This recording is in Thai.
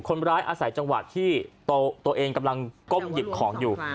คนร้ายอาศัยจังหวะที่ตัวเองกำลังก้มหยิบของอยู่